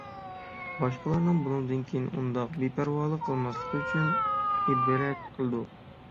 باشقىلارنىڭ بۇنىڭدىن كېيىن ئۇنداق بىپەرۋالىق قىلماسلىقلىرى ئۈچۈن ئىبرەت قىلىدۇ.